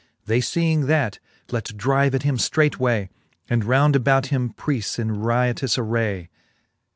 They feeing that, let drive at him ftreight way, And round about him preace in riotous aray.